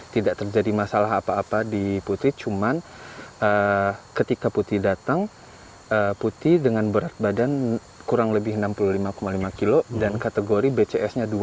tidak terjadi masalah apa apa di putih cuman ketika putih datang putih dengan berat badan kurang lebih enam puluh lima lima kilo dan kategori bcs nya dua